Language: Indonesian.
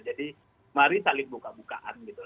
jadi mari saling buka bukaan gitu